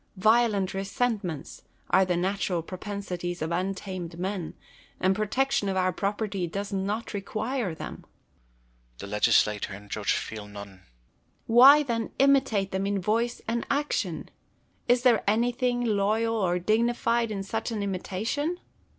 Violent resentments are the natural propen sities of untamed man : the protection of our property does not require them. Philip Savage. The legislator and judge feel none. Boulter. Why then imitate them in voice and action 1 Is there anything lovely or dignified in such an imitation